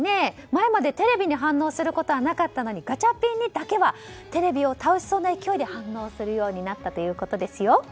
前までテレビに反応することはなかったのにガチャピンにだけはテレビを倒しそうな勢いで反応するようになったということですよ。